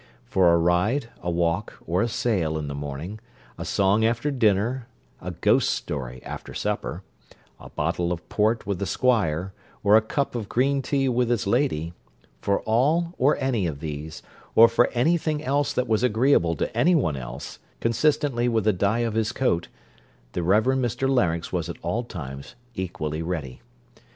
For a ride, a walk, or a sail, in the morning, a song after dinner, a ghost story after supper, a bottle of port with the squire, or a cup of green tea with his lady, for all or any of these, or for any thing else that was agreeable to any one else, consistently with the dye of his coat, the Reverend Mr Larynx was at all times equally ready.